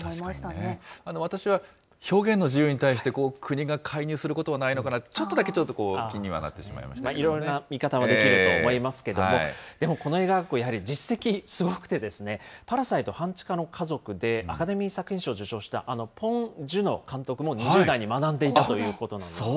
私は表現の自由に対して、国が介入することはないのかなって、ちょっとこう、気にいろんな見方ができると思いますけれども、でもこの映画学校、やはり実績、すごくて、パラサイト半地下の家族でアカデミー作品賞を受賞した、あのポン・ジュノ監督も、２０代に学んでいたということなんです。